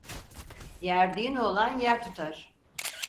Yerdiğin oğlan yer tutar.